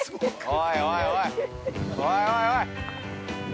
◆おいおいおい。